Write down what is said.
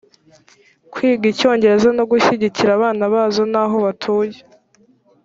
kwiga icyongereza no gushyigikira abana bazo n aho batuye